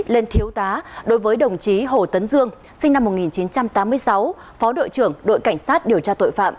lên thiếu tá đối với đồng chí hồ tấn dương sinh năm một nghìn chín trăm tám mươi sáu phó đội trưởng đội cảnh sát điều tra tội phạm